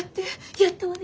やったわね